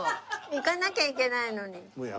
行かなきゃいけないのに。